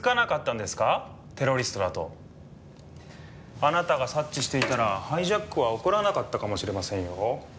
あなたが察知していたらハイジャックは起こらなかったかもしれませんよ。